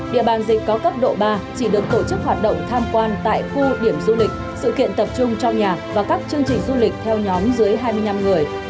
địa bàn dịch có cấp độ ba chỉ được tổ chức hoạt động tham quan tại khu điểm du lịch sự kiện tập trung trong nhà và các chương trình du lịch theo nhóm dưới hai mươi năm người